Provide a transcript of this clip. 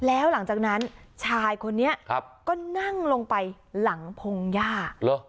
แล้วหลังจากนั้นชายคนนี้ก็นั่งลงไปหลังพงหญ้า